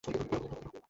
তুই পাগল হয়ে যাবি।